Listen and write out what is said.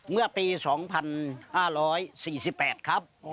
เมื่อปี๒๕๔๘ครับ